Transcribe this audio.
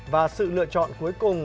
và sự lựa chọn cuối cùng